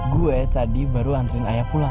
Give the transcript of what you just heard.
gue tadi baru anterin ayak pulang